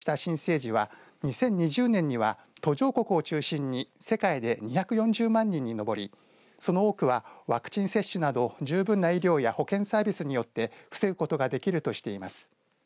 ユニセフの報告では生後２８日以内に死亡した新生児は２０２０年には途上国を中心に世界で２４０万人に上りその多くはワクチン接種など十分な医療や保健サービスによって防ぐことができるとしています。